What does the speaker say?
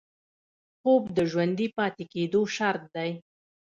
خوب د ژوندي پاتې کېدو شرط دی